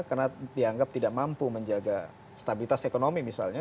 karena dianggap tidak mampu menjaga stabilitas ekonomi misalnya